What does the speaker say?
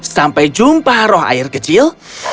sampai jumpa roh air kecil